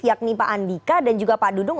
yakni pak andika dan juga pak dudung